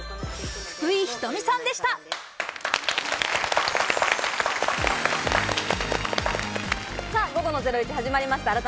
福井仁美さんでした。